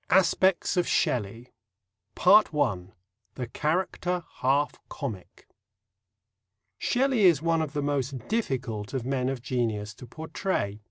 XI. ASPECTS OF SHELLEY (1) THE CHARACTER HALF COMIC Shelley is one of the most difficult of men of genius to portray.